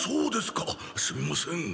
すみません。